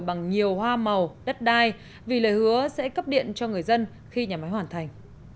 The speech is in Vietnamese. bằng nhiều hoa màu đất đai vì lời hứa sẽ cấp điện cho người dân khi nhà máy hoàn thành